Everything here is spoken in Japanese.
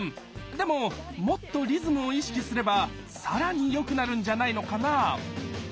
でももっとリズムを意識すれば更に良くなるんじゃないのかな？